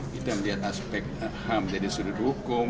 kita melihat aspek ham dari sudut hukum